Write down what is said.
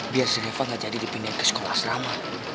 biar si reva gak jadi dipindahin ke sekolah asrama